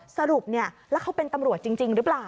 สรุปแล้วเขาเป็นตำรวจจริงหรือเปล่า